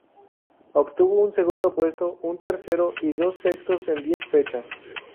Obtuvo un segundo puesto, un tercero y dos sextos en diez fechas.